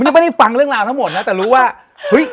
ไม่ได้ฟังเรื่องราวทั้งหมดนะแต่รู้ว่าเฮ้ย